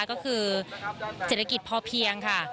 ก็คือเศรษฐกิจพอเพียงค่ะ